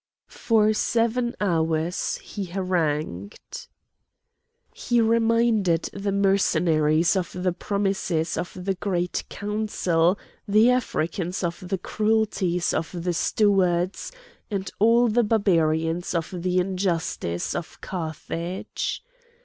For seven hours he harangued. He reminded the Mercenaries of the promises of the Great Council; the Africans of the cruelties of the stewards, and all the Barbarians of the injustice of Carthage.